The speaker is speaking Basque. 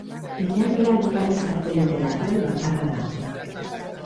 Ilargia Lurraren satelite natural bakarra da.